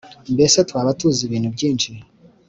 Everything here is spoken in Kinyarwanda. Mbese twaba tuzi ibintu byinshi